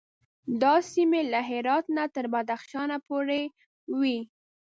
دا سیمې له هرات نه تر بدخشان پورې وې.